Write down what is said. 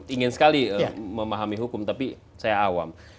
ingin sekali memahami hukum tapi saya awam